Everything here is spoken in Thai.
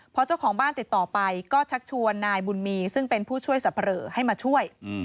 พอเจ้าของบ้านติดต่อไปก็ชักชวนนายบุญมีซึ่งเป็นผู้ช่วยสับเผลอให้มาช่วย